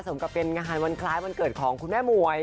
กับเป็นงานวันคล้ายวันเกิดของคุณแม่มวย